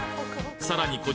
さらに